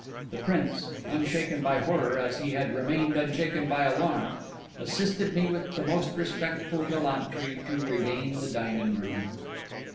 The prince, unshaken by horror as he had remained unshaken by alarm, assisted me with the most respectful gallantry to regain the dining room.